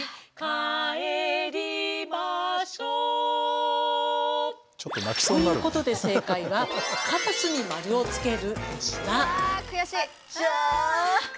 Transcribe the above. その「ぷぷぷぷぷ」は？ということで、正解はカラスに丸をつけるでした。